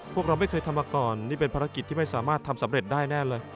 พวกเราไม่เคยทำมาก่อนนี่เป็นภารกิจที่ไม่สามารถทำสำเร็จได้แน่เลย